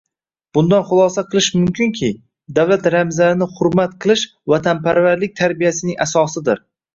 Bundan xulosa qilish mumkinki, davlat ramzlarini hurmat qilish vatanparvarlik tarbiyasining asosidir